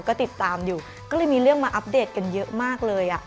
ก็ติดตามอยู่ก็เลยมีเรื่องมาอัปเดตกันเยอะมากเลย